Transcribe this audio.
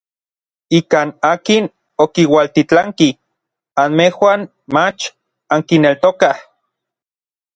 Ikan akin okiualtitlanki anmejuan mach ankineltokaj.